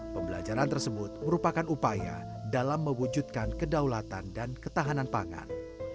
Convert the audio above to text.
pembelajaran tersebut merupakan upaya dalam mewujudkan kedaulatan dan ketahanan pangan